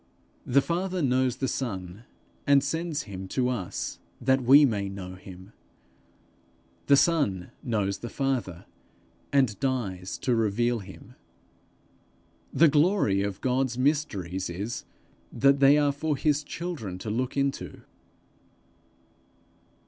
The Father knows the Son and sends him to us that we may know him; the Son knows the Father, and dies to reveal him. The glory of God's mysteries is that they are for his children to look into.